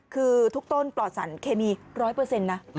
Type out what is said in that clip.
คือทุกต้นปลอดสารเคมี๑๐๐นะ